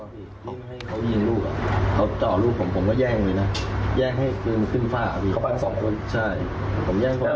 บอกภาพอย่างดนตรีมันอยู่ไหนผมไม่มีค่ะพี่ผมอยู่กับลูก